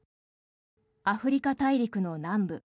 アフリカ大陸の南部。